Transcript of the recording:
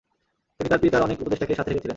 তিনি তার পিতার অনেক উপদেষ্টাকে সাথে রেখেছিলেন।